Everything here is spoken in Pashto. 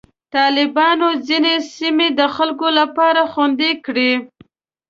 طالبانو ځینې سیمې د خلکو لپاره خوندي کړې.